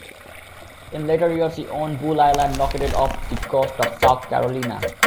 In later years he owned "Bull Island", located off the coast of South Carolina.